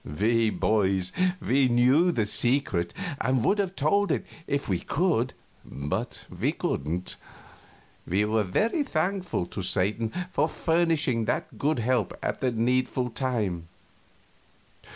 We boys knew the secret, and would have told it if we could, but we couldn't. We were very thankful to Satan for furnishing that good help at the needful time.